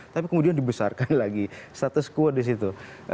tapi kemudian dibesarkan lagi status quo di situ